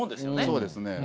そうですね。